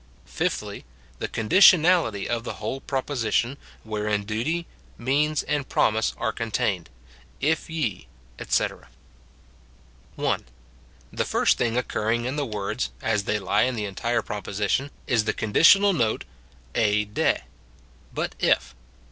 •Fifthly, The conditionality of the whole proposition, wherein duty, means, and promise are contained :" If ye," etc. 1. The first thing occurring in the words, as they lie in the entire proposition, is the conditional note, Ei 6s, "But if."